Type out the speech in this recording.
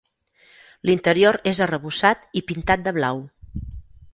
L'interior és arrebossat i pintat de blau.